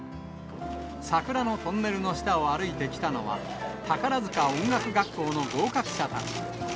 桜のトンネルの下を歩いてきたのは、宝塚音楽学校の合格者たち。